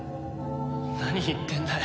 何言ってんだよ。